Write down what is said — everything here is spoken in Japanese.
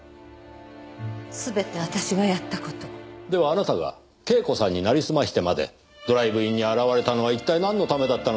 あなたが恵子さんに成りすましてまでドライブインに現れたのは一体なんのためだったのでしょう？